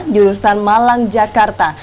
jurusan malang jakarta